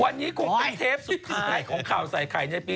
วันนี้คงเป็นเทปสุดท้ายของข่าวใส่ไข่ในปี๒